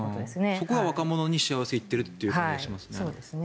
そこが若者にしわ寄せがいっているという気がしますね。